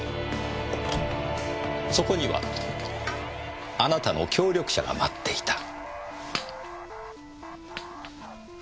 そこにはあなたの協力者が待っていた。